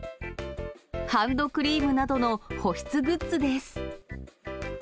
ハンドクリームなどの保湿グッズです。